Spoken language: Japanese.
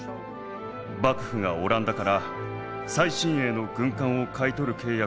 幕府がオランダから最新鋭の軍艦を買い取る契約を結びました。